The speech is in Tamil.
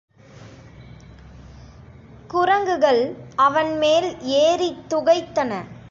குரங்குகள் அவன்மேல் ஏறித் துகைத்தன.